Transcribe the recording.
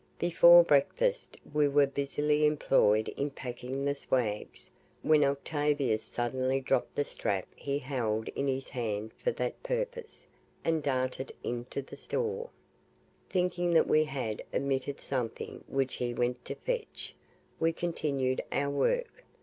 Before breakfast we were busily employed in packing the "swags" when Octavius suddenly dropped the strap he held in his hand for that purpose, and darted into the store. Thinking that we had omitted something which he went to fetch, we continued our work.